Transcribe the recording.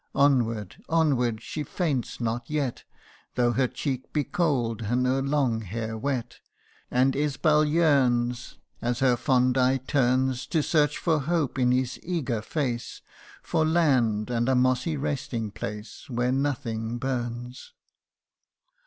Onward onward she faints not yet Though her cheek be cold, and her long hair wet ; And Isbal yearns, As her fond eye turns To search for hope in his eager face ; For land, and a mossy resting place, Where nothing burns.